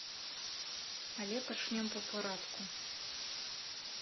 Але пачнём па парадку.